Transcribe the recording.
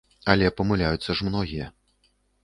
Але памыляюцца ж многія.